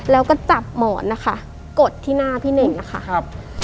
แล้วก็จับหมอนกดที่หน้าพี่เหน่งค่ะ